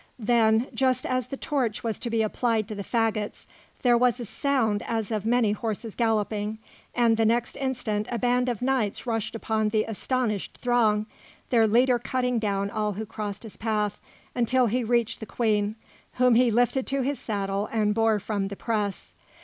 Then, just as the torch was to be applied to the faggots, there was a sound as of many horses galloping, and the next instant a band of knights rushed upon the astonished throng, their leader cutting down all who crossed his path until he had reached the Queen, whom he lifted to his saddle and bore from the press.